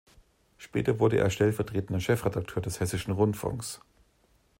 Später wurde er stellvertretender Chefredakteur des Hessischen Rundfunks.